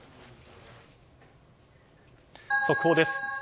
速報です。